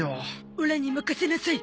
オラに任せなさい。